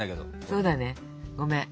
そうだねごめん。